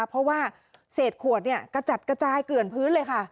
เพราะว่าเศษขวดเนี่ยกระจัดกระจายเกลื่อนพื้นเลยค่ะ